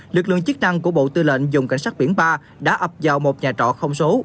lực lượng chức năng của bộ tư lệnh dùng cảnh sát biển ba đã ập vào một nhà trọ không số